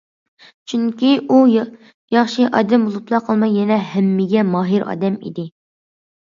چۈنكى، ئۇ ياخشى ئادەم بولۇپلا قالماي يەنە ھەممىگە ماھىر ئادەم ئىدى.